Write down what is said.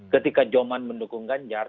ketika joman mendukung ganjar